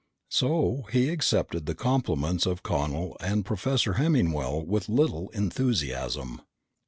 So, he accepted the compliments of Connel and Professor Hemmingwell with little enthusiasm.